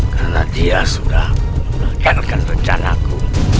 karena dia sudah mengalirkan rencanaku